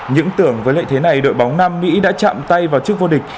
những tưởng với lệ thế này đội bóng nam mỹ đã chạm tay vào trước vô địch